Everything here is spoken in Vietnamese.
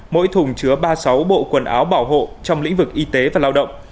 mỗi thùng chứa ba mươi sáu bộ quần áo bảo hộ trong lĩnh vực y tế và lao động